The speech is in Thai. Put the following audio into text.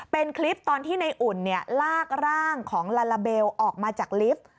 เป็นคลิปตอนที่ในอุ่นลากร่างของลาลาเบลออกมาจากลิฟต์